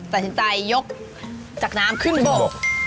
แต่ชินใจยกจากน้ำขึ้นบบ